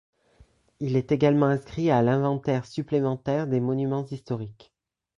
Il est également inscrit à l'Inventaire supplémentaire des Monuments Historiques.